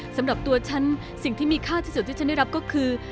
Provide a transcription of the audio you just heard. สำหรับตัวฉันสิ่งที่มีค่าที่สุดที่ฉันได้รับก็คือ